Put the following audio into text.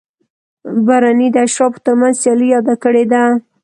برني د اشرافو ترمنځ سیالي یاده کړې ده.